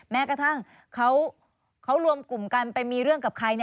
แม้กระทั่งเขารวมกลุ่มกันไปมีเรื่องกับใคร